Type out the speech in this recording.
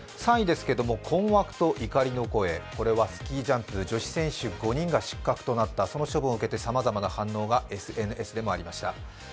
３位ですけども、困惑と怒りの声、これはスキージャンプ女子選手５人が失格となったその処分を受けてさまざまな声がＳＮＳでもありました。